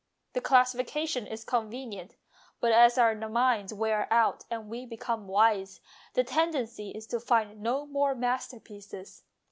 The classification is convenient, but as our minds wear out and we become wise, the tendency is to find no more masterpieces.